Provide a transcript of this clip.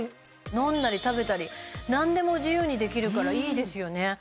飲んだり食べたり何でも自由にできるからいいですよね。